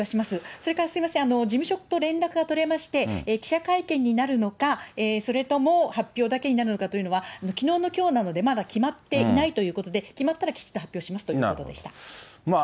それからすみません、事務所と連絡が取れまして、記者会見になるのか、それとも発表だけになるのかというのは、きのうのきょうなのでまだ決まっていないということで、決まったらきちっと発表しますということでした。